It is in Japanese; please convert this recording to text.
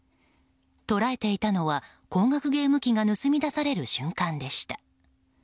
捉えていたのは高額ゲーム機が盗み出される瞬間でした。